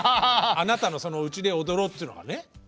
あなたのその「うちで踊ろう」っていうのがね。